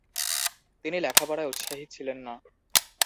তিনি লেখাপড়ায় উৎসাহী ছিলেন না।